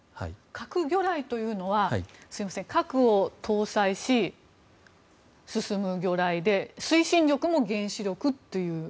核魚雷というのは核を搭載し進む魚雷で推進力も原子力という？